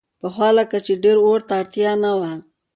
پخوا لکه چې ډېر اور ته اړتیا نه وه.